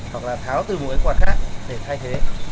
hoặc là tháo từ một cái quạt khác để thay thế